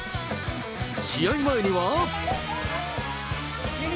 試合前には。